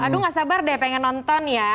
aduh gak sabar deh pengen nonton ya